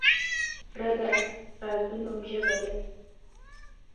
زړه د رازونو ژبه لري.